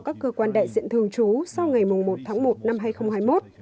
các cơ quan đại diện thường trú sau ngày một tháng một năm hai nghìn hai mươi một